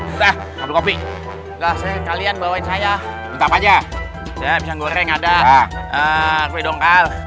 hai dah ngopi ngopi dah saya kalian bawain saya tetap aja saya bisa goreng ada kue dongkal